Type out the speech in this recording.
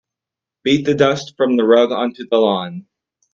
Beat the dust from the rug onto the lawn.